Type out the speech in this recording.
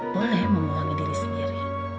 boleh memuangi diri sendiri